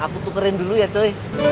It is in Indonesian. aku tukerin dulu ya joy